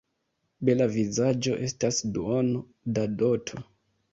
Bela vizaĝo estas duono da doto.